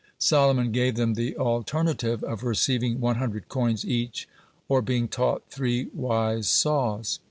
Solomon gave them the alternative of receiving one hundred coins each, or being taught three wise saws.